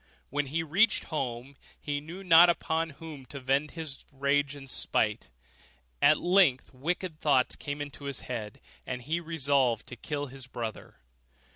When he reached home, he knew not upon whom to vent his rage and spite; and at length wicked thoughts came into his head, and he resolved to kill his brother.